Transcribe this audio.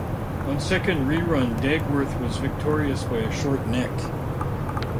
On a second rerun Dagworth was victorious by a short neck.